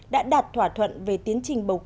đã đạt thỏa thuận về tiến trình bắt buộc